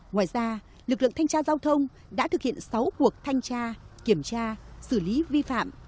ngoài ra lực lượng thanh tra giao thông đã thực hiện sáu cuộc thanh tra kiểm tra xử lý vi phạm